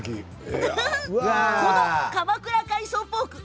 この鎌倉海藻ポーク